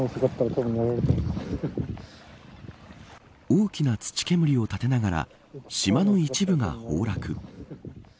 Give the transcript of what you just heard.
大きな土煙を立てながら島の一部が崩落。